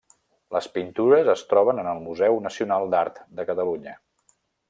Les pintures es troben en el Museu Nacional d'Art de Catalunya.